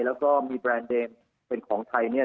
แล้วก็มีแบรนด์เดมเป็นของไทยเนี่ย